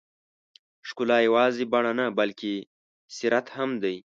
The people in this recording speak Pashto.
ښکلا یوازې بڼه نه، بلکې سیرت هم دی.